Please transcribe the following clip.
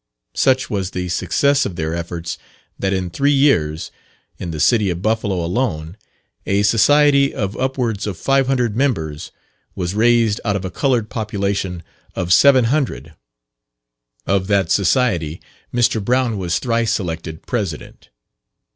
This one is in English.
Such was the success of their efforts that in three years, in the city of Buffalo alone, a society of upwards of 500 members was raised out of a coloured population of 700. Of that society Mr. Brown was thrice elected President.